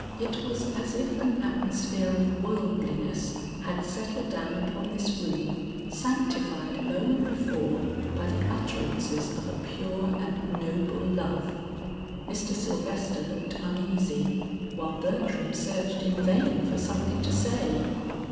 It was as if an atmosphere of worldliness had settled down upon this room sanctified a moment before by the utterances of a pure and noble love. Mr. Sylvester looked uneasy, while Bertram searched in vain for something to say.